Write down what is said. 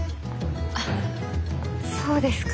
あっそうですか。